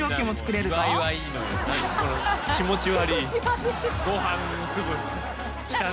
気持ち悪い。